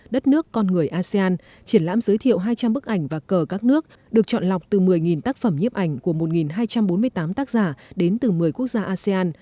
đất nước con người asean triển lãm giới thiệu hai trăm linh bức ảnh và cờ các nước được chọn lọc từ một mươi tác phẩm nhiếp ảnh của một hai trăm bốn mươi tám tác giả đến từ một mươi quốc gia asean